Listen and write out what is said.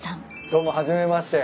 どうも初めまして。